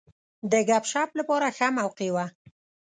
د ګپ شپ لپاره ښه موقع وه.